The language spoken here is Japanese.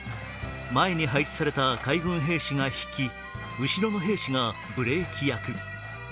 前に配置された海軍兵士が引き、後ろの兵士がブレーキ役。